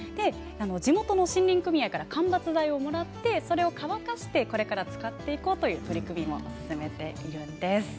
地元の森林組合から間伐材をもらってそれを乾かして使っていこうという取り組みもされています。